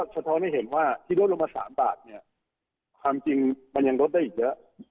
เพราะไม่เห็นว่าที่ลดลงมา๓บาทความจริงมันยังลดได้อีกเยอะ